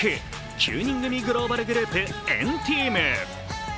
９人組グローバルグループ＆ＴＥＡＭ。